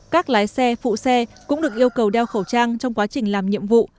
các lái xe phụ xe cũng được yêu cầu đeo khẩu trang trong quá trình làm nhiệm vụ